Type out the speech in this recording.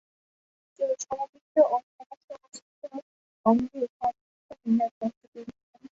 তিনি সমবৃত্তীয় ও সমসংস্থ অঙ্গের পার্থক্য নির্ণয় করতে পেরেছিলেন।